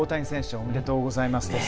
おめでとうございます。